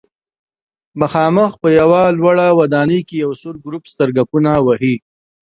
مخامخ په یوه لوړه ودانۍ کې یو سور ګروپ سترګکونه وهي.